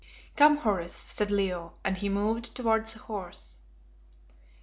"Come, Horace," said Leo, and he moved towards the horse.